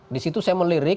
disitu saya melirik